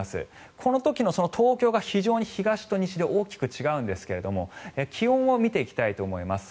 この時の東京が非常に東と西で大きく違うんですけれど気温を見ていきたいと思います。